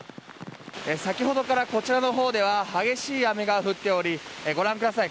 先ほどから、こちらのほうでは激しい雨が降っておりご覧ください。